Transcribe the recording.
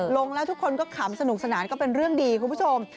ลงแล้วทุกคนก็ขำสนุกสนานก็เป็นเรื่องดีคุณผู้ชม